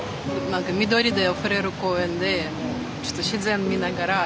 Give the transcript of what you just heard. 緑であふれる公園でちょっと自然見ながらランチ。